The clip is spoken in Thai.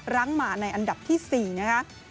ร้างมาในอันดับที่๔นะคะ